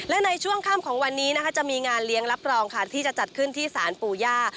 และในช่วงค่ำของวันนี้นะคะจะมีงานเลี้ยงรับรองค่ะที่จะจัดขึ้นที่ศาลปู่ย่า